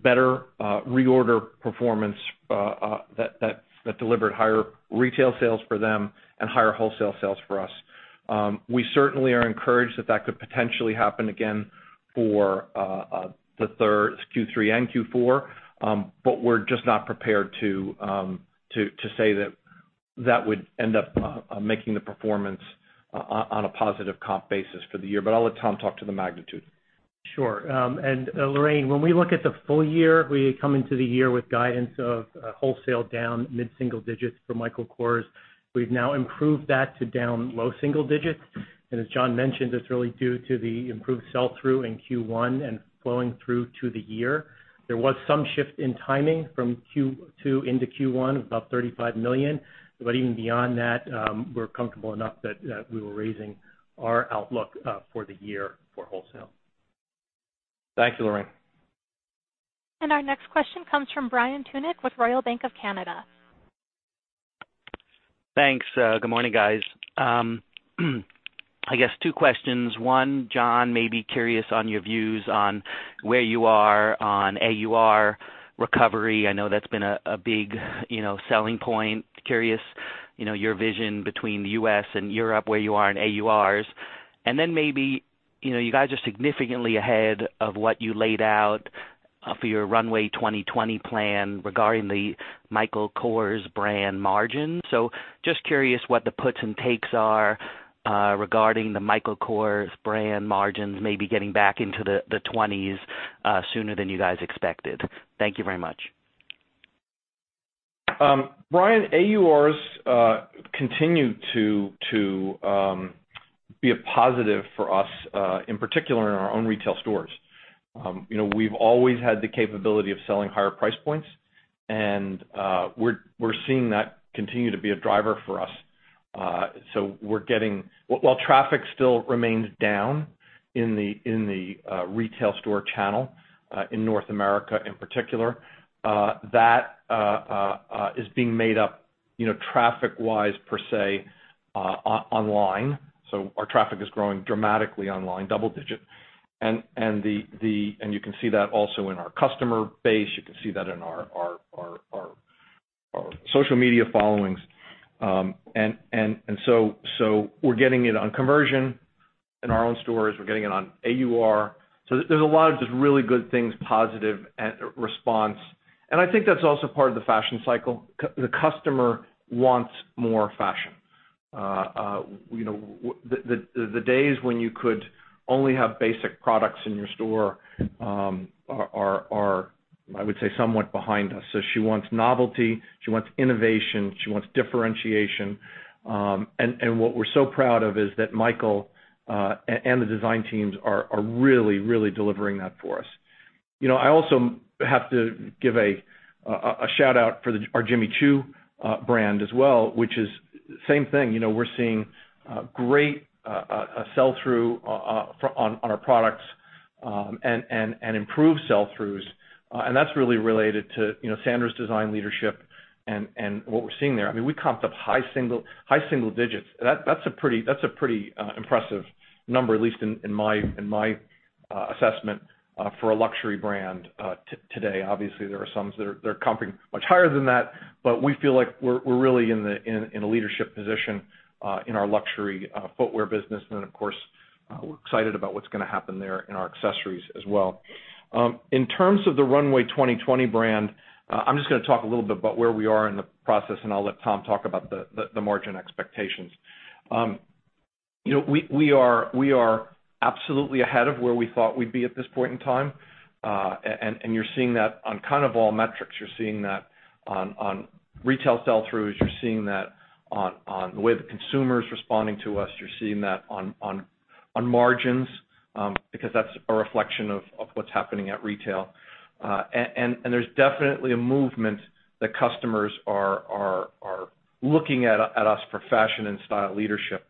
better reorder performance that delivered higher retail sales for them and higher wholesale sales for us. We certainly are encouraged that that could potentially happen again for Q3 and Q4. We're just not prepared to say that that would end up making the performance on a positive comp basis for the year. I'll let Tom talk to the magnitude. Sure. Lorraine, when we look at the full year, we come into the year with guidance of wholesale down mid-single digits for Michael Kors. We've now improved that to down low single digits. As John mentioned, it's really due to the improved sell-through in Q1 and flowing through to the year. There was some shift in timing from Q2 into Q1 of about $35 million. Even beyond that, we're comfortable enough that we were raising our outlook for the year for wholesale. Thank you, Lorraine. Our next question comes from Brian Tunick with Royal Bank of Canada. Thanks. Good morning, guys. I guess two questions. One, John, maybe curious on your views on where you are on AUR recovery. I know that's been a big selling point. Curious, your vision between the U.S. and Europe, where you are in AURs. Then maybe, you guys are significantly ahead of what you laid out for your Runway 2020 plan regarding the Michael Kors brand margin. Just curious what the puts and takes are regarding the Michael Kors brand margins, maybe getting back into the 20s sooner than you guys expected. Thank you very much. Brian, AURs continue to be a positive for us, in particular in our own retail stores. We've always had the capability of selling higher price points, and we're seeing that continue to be a driver for us. While traffic still remains down in the retail store channel, in North America in particular, that is being made up, traffic wise per se, online. Our traffic is growing dramatically online, double digit. You can see that also in our customer base. You can see that in our social media followings. We're getting it on conversion in our own stores. We're getting it on AUR. There's a lot of just really good things, positive response. I think that's also part of the fashion cycle. The customer wants more fashion. The days when you could only have basic products in your store are, I would say, somewhat behind us. She wants novelty, she wants innovation, she wants differentiation. What we're so proud of is that Michael and the design teams are really, really delivering that for us. I also have to give a shout-out for our Jimmy Choo brand as well, which is same thing. We're seeing great sell-through on our products and improved sell-throughs. That's really related to Sandra's design leadership and what we're seeing there. We comped up high single digits. That's a pretty impressive number, at least in my assessment, for a luxury brand today. Obviously, there are some that are comping much higher than that, but we feel like we're really in a leadership position in our luxury footwear business. Then, of course, we're excited about what's going to happen there in our accessories as well. In terms of the Runway 2020 brand, I'm just going to talk a little bit about where we are in the process, and I'll let Tom talk about the margin expectations. We are absolutely ahead of where we thought we'd be at this point in time. You're seeing that on all metrics. You're seeing that on retail sell-throughs. You're seeing that on the way the consumer is responding to us. You're seeing that on margins because that's a reflection of what's happening at retail. There's definitely a movement that customers are looking at us for fashion and style leadership.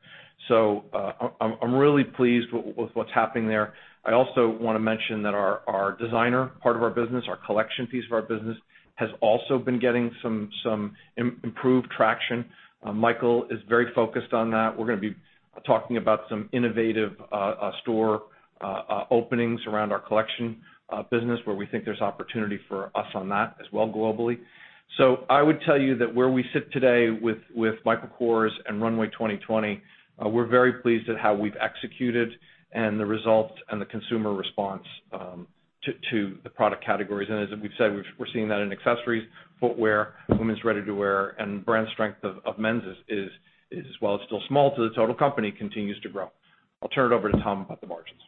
I'm really pleased with what's happening there. I also want to mention that our designer part of our business, our collection piece of our business, has also been getting some improved traction. Michael is very focused on that. We're going to be talking about some innovative store openings around our collection business where we think there's opportunity for us on that as well globally. I would tell you that where we sit today with Michael Kors and Runway 2020, we're very pleased at how we've executed and the results and the consumer response to the product categories. As we've said, we're seeing that in accessories, footwear, women's ready-to-wear, and brand strength of men's, while it's still small to the total company, continues to grow. I'll turn it over to Tom about the margins.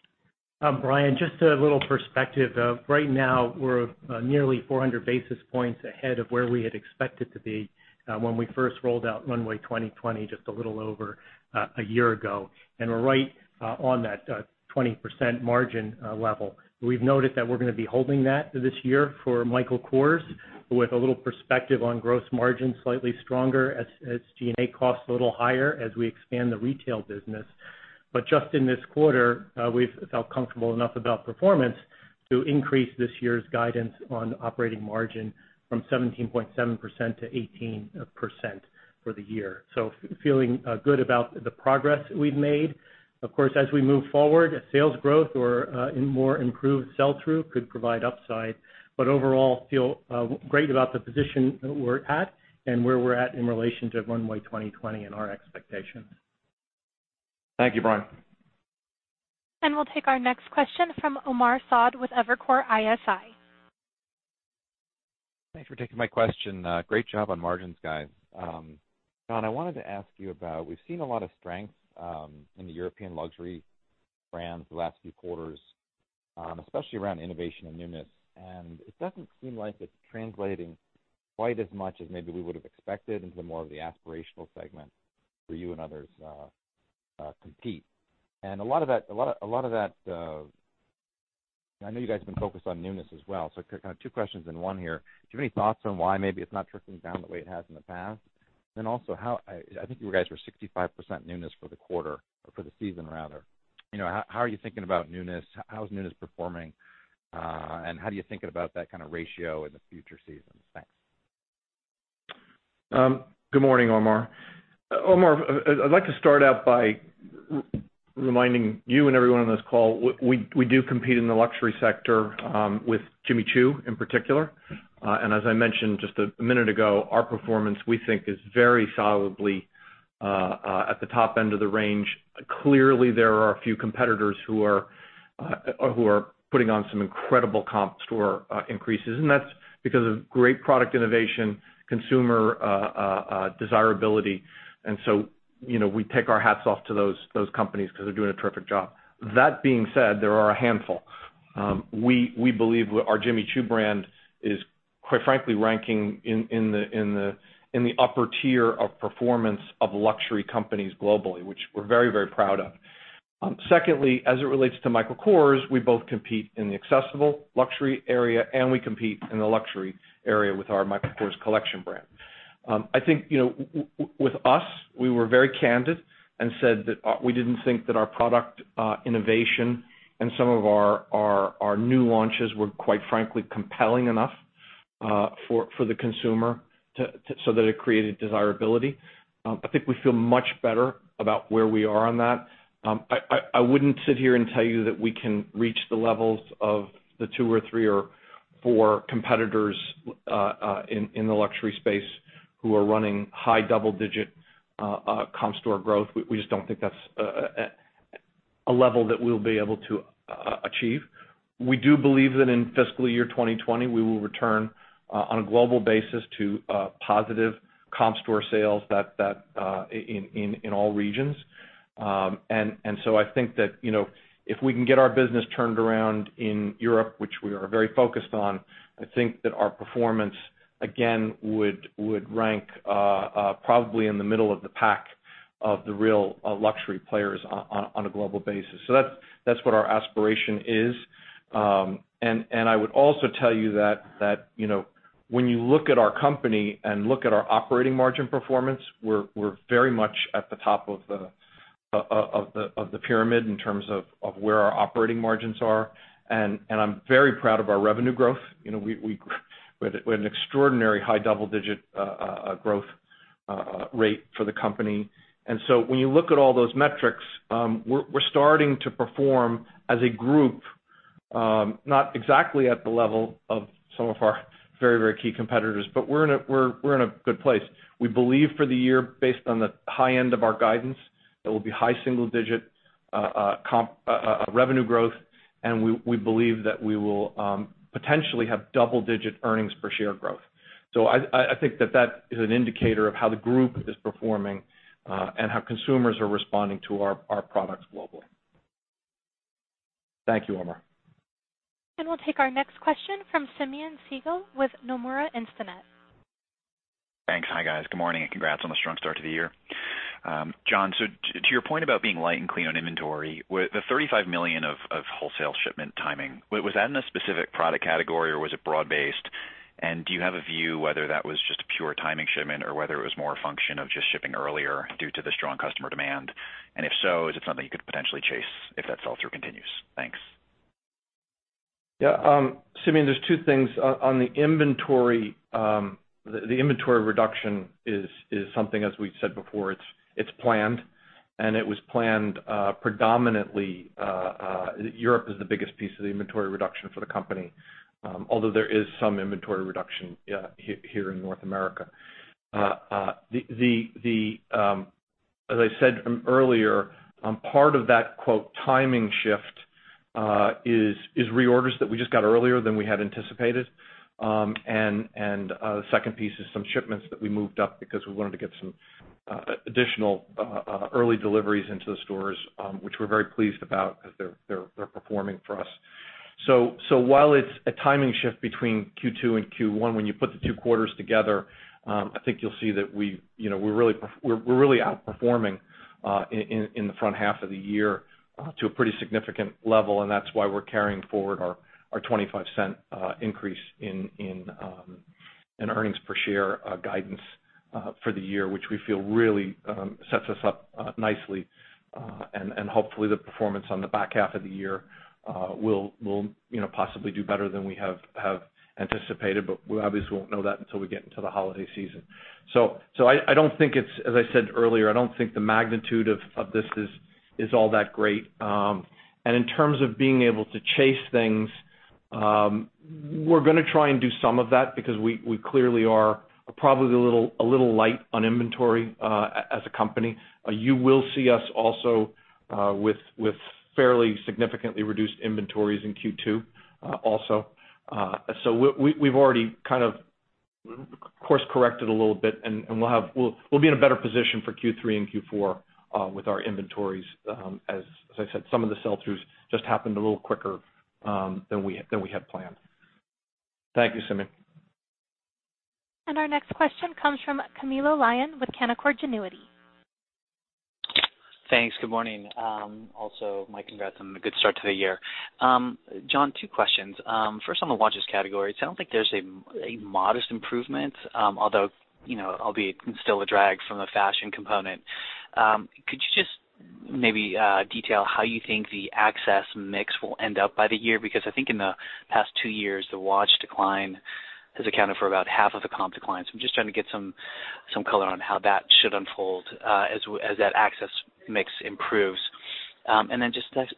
Brian, just a little perspective. Right now, we're nearly 400 basis points ahead of where we had expected to be when we first rolled out Runway 2020 just a little over a year ago. We're right on that 20% margin level. We've noted that we're going to be holding that this year for Michael Kors with a little perspective on gross margin, slightly stronger as G&A costs a little higher as we expand the retail business. Just in this quarter, we've felt comfortable enough about performance to increase this year's guidance on operating margin from 17.7% to 18% for the year. Feeling good about the progress we've made. Of course, as we move forward, sales growth or more improved sell-through could provide upside. Overall, feel great about the position that we're at and where we're at in relation to Runway 2020 and our expectations. Thank you, Brian. We'll take our next question from Omar Saad with Evercore ISI. Thanks for taking my question. Great job on margins, guys. John, I wanted to ask you about, we've seen a lot of strength in the European luxury brands the last few quarters, especially around innovation and newness, and it doesn't seem like it's translating quite as much as maybe we would have expected into more of the aspirational segment where you and others compete. I know you guys have been focused on newness as well. Kind of two questions in one here. Do you have any thoughts on why maybe it's not trickling down the way it has in the past? Also, I think you guys were 65% newness for the quarter, or for the season, rather. How are you thinking about newness? How is newness performing? And how do you think about that kind of ratio in the future seasons? Thanks. Good morning, Omar. Omar, I'd like to start out by reminding you and everyone on this call, we do compete in the luxury sector with Jimmy Choo in particular. As I mentioned just a minute ago, our performance, we think, is very solidly at the top end of the range. Clearly, there are a few competitors who are putting on some incredible comp store increases. That's because of great product innovation, consumer desirability, we take our hats off to those companies because they're doing a terrific job. That being said, there are a handful. We believe our Jimmy Choo brand is, quite frankly, ranking in the upper tier of performance of luxury companies globally, which we're very proud of. Secondly, as it relates to Michael Kors, we both compete in the accessible luxury area, and we compete in the luxury area with our Michael Kors Collection brand. I think with us, we were very candid and said that we didn't think that our product innovation and some of our new launches were quite frankly compelling enough for the consumer so that it created desirability. I think we feel much better about where we are on that. I wouldn't sit here and tell you that we can reach the levels of the two or three or four competitors in the luxury space who are running high double-digit comp store growth. We just don't think that's a level that we'll be able to achieve. We do believe that in fiscal year 2020, we will return on a global basis to positive comp store sales in all regions. I think that if we can get our business turned around in Europe, which we are very focused on, I think that our performance, again, would rank probably in the middle of the pack of the real luxury players on a global basis. That's what our aspiration is. I would also tell you that when you look at our company and look at our operating margin performance, we're very much at the top of the pyramid in terms of where our operating margins are. I'm very proud of our revenue growth. We had an extraordinarily high double-digit growth rate for the company. When you look at all those metrics, we're starting to perform as a group, not exactly at the level of some of our very key competitors, but we're in a good place. We believe for the year, based on the high end of our guidance, it will be high single-digit revenue growth, and we believe that we will potentially have double-digit earnings per share growth. I think that that is an indicator of how the group is performing and how consumers are responding to our products globally. Thank you, Omar. We'll take our next question from Simeon Siegel with Nomura Instinet. Thanks. Hi, guys. Good morning, and congrats on the strong start to the year. John, to your point about being light and clean on inventory, the $35 million of wholesale shipment timing, was that in a specific product category, or was it broad-based? Do you have a view whether that was just a pure timing shipment or whether it was more a function of just shipping earlier due to the strong customer demand? If so, is it something you could potentially chase if that sell-through continues? Thanks. Yeah. Simeon, there's two things. On the inventory reduction is something, as we've said before, it's planned, and it was planned predominantly, Europe is the biggest piece of the inventory reduction for the company, although there is some inventory reduction here in North America. As I said earlier, part of that "timing shift" is reorders that we just got earlier than we had anticipated, and the second piece is some shipments that we moved up because we wanted to get some additional early deliveries into the stores, which we're very pleased about as they're performing for us. While it's a timing shift between Q2 and Q1, when you put the two quarters together, I think you'll see that we're really outperforming in the front half of the year to a pretty significant level, and that's why we're carrying forward our $0.25 increase in earnings per share guidance for the year, which we feel really sets us up nicely. Hopefully, the performance on the back half of the year will possibly do better than we have anticipated, but we obviously won't know that until we get into the holiday season. As I said earlier, I don't think the magnitude of this is all that great. In terms of being able to chase things, we're going to try and do some of that because we clearly are probably a little light on inventory as a company. You will see us also with fairly significantly reduced inventories in Q2 also. We've already kind of course-corrected a little bit, and we'll be in a better position for Q3 and Q4 with our inventories. As I said, some of the sell-throughs just happened a little quicker than we had planned. Thank you, Simi. Our next question comes from Camilo Lyon with Canaccord Genuity. Thanks. Good morning. Also, my congrats on a good start to the year. John, two questions. First, the watches category. It sounds like there's a modest improvement, although, albeit still a drag from the fashion component. Could you just maybe detail how you think the Access mix will end up by the year? I think in the past two years, the watch decline has accounted for about half of the comp declines. I'm just trying to get some color on how that should unfold as that Access mix improves.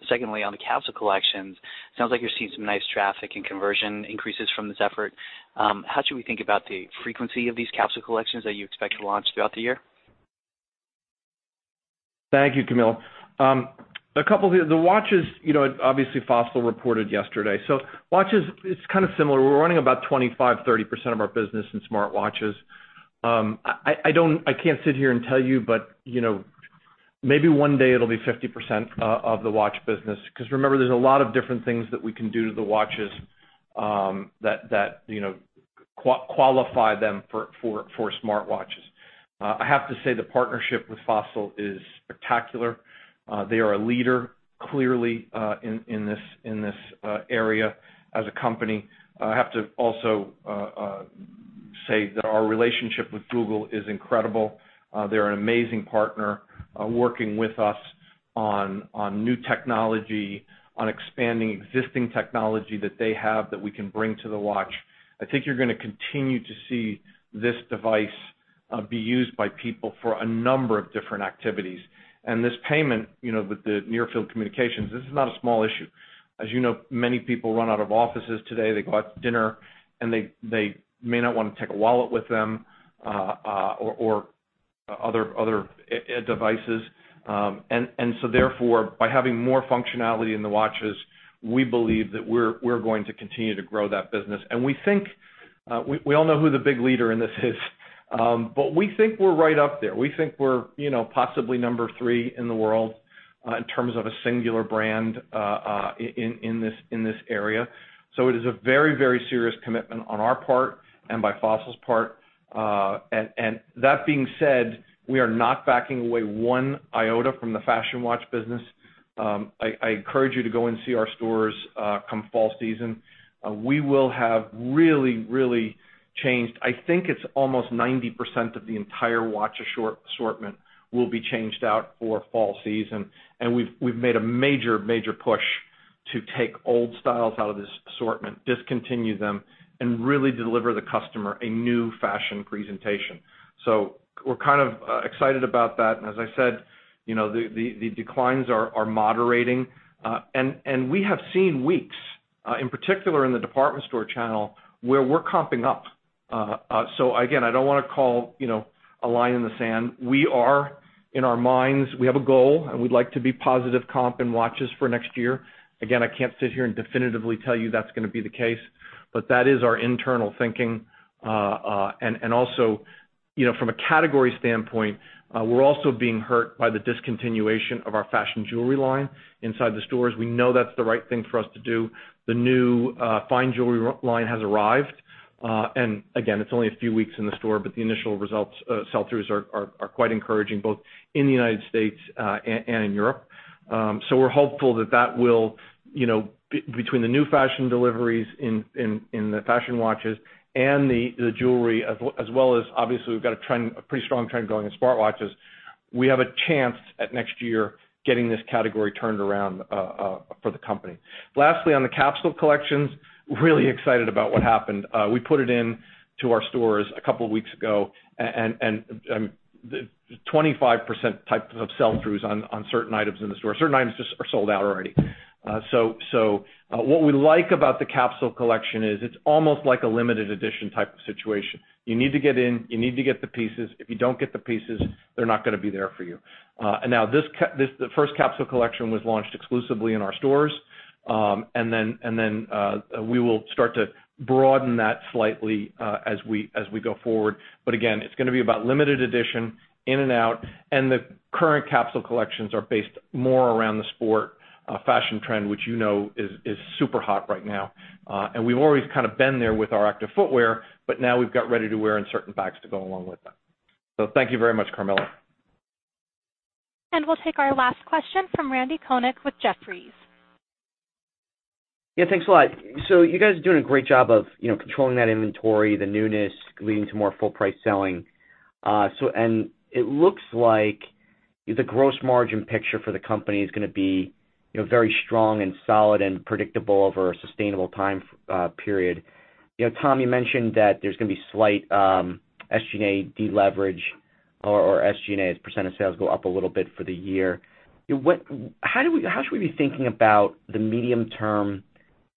Secondly, on the capsule collections, sounds like you're seeing some nice traffic and conversion increases from this effort. How should we think about the frequency of these capsule collections that you expect to launch throughout the year? Thank you, Camilo. The watches, obviously Fossil reported yesterday. Watches, it's kind of similar. We're running about 25%-30% of our business in smartwatches. I can't sit here and tell you, but maybe one day it'll be 50% of the watch business. Remember, there's a lot of different things that we can do to the watches that qualify them for smartwatches. I have to say, the partnership with Fossil is spectacular. They are a leader, clearly, in this area as a company. I have to also say that our relationship with Google is incredible. They're an amazing partner, working with us on new technology, on expanding existing technology that they have that we can bring to the watch. I think you're going to continue to see this device be used by people for a number of different activities. This payment, with the near-field communications, this is not a small issue. As you know, many people run out of offices today, they go out to dinner, and they may not want to take a wallet with them or other devices. By having more functionality in the watches, we believe that we're going to continue to grow that business. We all know who the big leader in this is, but we think we're right up there. We think we're possibly number 3 in the world in terms of a singular brand in this area. It is a very serious commitment on our part and by Fossil's part. That being said, we are not backing away one iota from the fashion watch business. I encourage you to go and see our stores come fall season. We will have really changed. I think it's almost 90% of the entire watch assortment will be changed out for fall season. We've made a major push to take old styles out of the assortment, discontinue them, and really deliver the customer a new fashion presentation. We're kind of excited about that. As I said, the declines are moderating. We have seen weeks, in particular in the department store channel, where we're comping up. Again, I don't want to call a line in the sand. We are in our minds, we have a goal, and we'd like to be positive comp in watches for next year. Again, I can't sit here and definitively tell you that's going to be the case. That is our internal thinking. From a category standpoint, we're also being hurt by the discontinuation of our fashion jewelry line inside the stores. We know that's the right thing for us to do. The new fine jewelry line has arrived. Again, it's only a few weeks in the store, but the initial results sell-throughs are quite encouraging, both in the U.S. and in Europe. We're hopeful that between the new fashion deliveries in the fashion watches and the jewelry, as well as obviously we've got a pretty strong trend going in smartwatches, we have a chance at next year getting this category turned around for the company. Lastly, on the capsule collections, we are really excited about what happened. We put it into our stores a couple of weeks ago, 25% types of sell-throughs on certain items in the store. Certain items are sold out already. What we like about the capsule collection is it's almost like a limited edition type of situation. You need to get in. You need to get the pieces. If you don't get the pieces, they're not going to be there for you. Now, the first capsule collection was launched exclusively in our stores. Then we will start to broaden that slightly as we go forward. Again, it's going to be about limited edition, in and out, the current capsule collections are based more around the sport fashion trend, which you know is super hot right now. We've always kind of been there with our active footwear, but now we've got ready-to-wear and certain bags to go along with them. Thank you very much, Camilo. We'll take our last question from Randy Konik with Jefferies. Thanks a lot. You guys are doing a great job of controlling that inventory, the newness leading to more full price selling. It looks like the gross margin picture for the company is going to be very strong and solid and predictable over a sustainable time period. Tom, you mentioned that there's going to be slight SG&A deleverage or SG&A as a % of sales go up a little bit for the year. How should we be thinking about the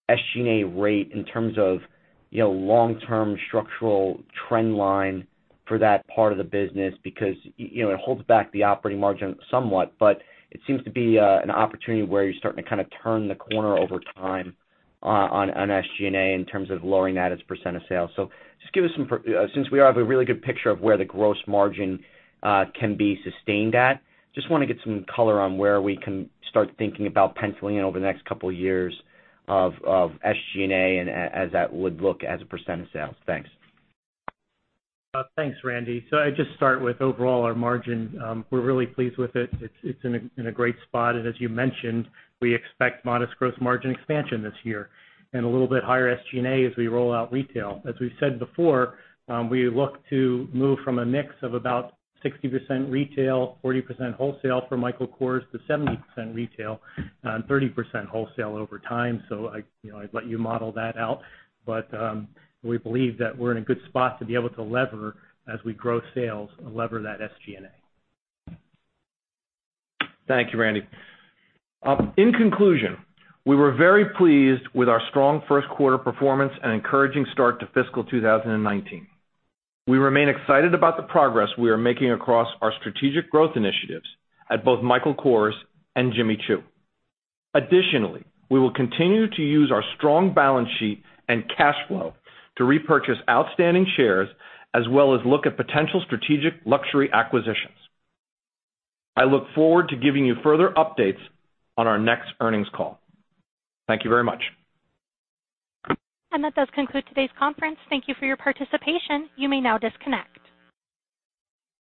medium-term SG&A rate in terms of long-term structural trend line for that part of the business? Because it holds back the operating margin somewhat, but it seems to be an opportunity where you're starting to turn the corner over time on SG&A in terms of lowering that as a % of sales. Since we have a really good picture of where the gross margin can be sustained at, just want to get some color on where we can start thinking about penciling in over the next couple of years of SG&A and as that would look as a % of sales. Thanks. Thanks, Randy. I'd just start with overall our margin. We're really pleased with it. It's in a great spot. As you mentioned, we expect modest gross margin expansion this year and a little bit higher SG&A as we roll out retail. As we've said before, we look to move from a mix of about 60% retail, 40% wholesale for Michael Kors to 70% retail and 30% wholesale over time. I'd let you model that out. We believe that we're in a good spot to be able to lever as we grow sales and lever that SG&A. Thank you, Randy. In conclusion, we were very pleased with our strong first quarter performance and encouraging start to fiscal 2019. We remain excited about the progress we are making across our strategic growth initiatives at both Michael Kors and Jimmy Choo. Additionally, we will continue to use our strong balance sheet and cash flow to repurchase outstanding shares as well as look at potential strategic luxury acquisitions. I look forward to giving you further updates on our next earnings call. Thank you very much. That does conclude today's conference. Thank you for your participation. You may now disconnect.